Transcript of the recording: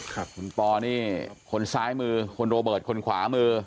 คุณปอนี่คนซ้ายมือคุณโรเบิร์ตคนขวามือ